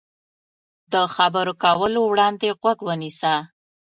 له خبرو کولو وړاندې غوږ ونیسه.